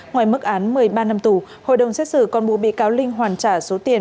ngoài mức án một mươi ba năm tù hội đồng xét xử còn buộc bị cáo linh hoàn trả số tiền